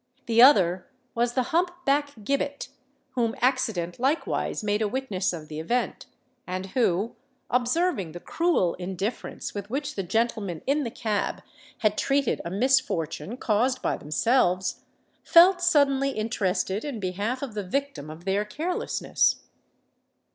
The other was the hump back Gibbet, whom accident likewise made a witness of the event, and who, observing the cruel indifference with which the gentlemen in the cab had treated a misfortune caused by themselves, felt suddenly interested in behalf of the victim of their carelessness.